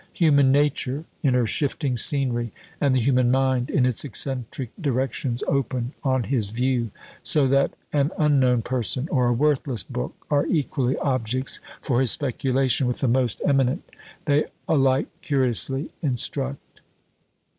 Human nature in her shifting scenery, and the human mind in its eccentric directions, open on his view; so that an unknown person, or a worthless book, are equally objects for his speculation with the most eminent they alike curiously instruct.